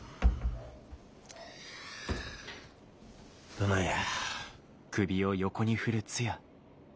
どないや。